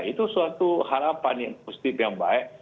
itu suatu harapan yang positif yang baik